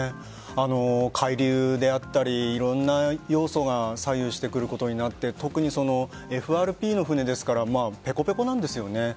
海流であったりいろんな要素が左右してくることになって特にＦＲＰの船ですからペコペコなんですよね。